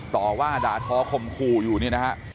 ต่อว่าด่าทอคมคู่อยู่นี่นะฮะ